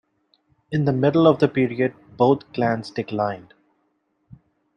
In the middle of the period, both clans declined.